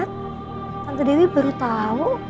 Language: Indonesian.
tante dewi baru tahu